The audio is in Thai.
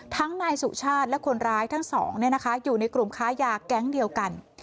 นายสุชาติและคนร้ายทั้งสองอยู่ในกลุ่มค้ายาแก๊งเดียวกัน